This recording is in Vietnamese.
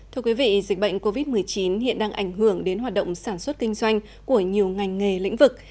thưa quý vị dịch bệnh covid một mươi chín hiện đang ảnh hưởng đến hoạt động sản xuất kinh doanh của nhiều ngành nghề lĩnh vực